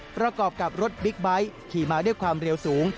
ประกอบกับรถบิ๊กไบท์ขี่มาด้วยความเร็วสูง